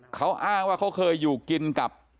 เขาอ้างว่าเขาเคยอยู่กินกับ